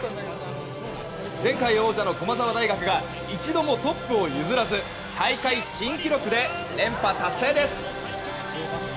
前回王者の駒澤大学が一度もトップを譲らず大会新記録で連覇達成です。